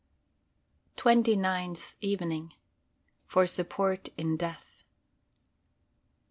TWENTY NINTH EVENING. FOR SUPPORT IN DEATH.